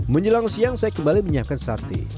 menjelang siang saya kembali menyiapkan sate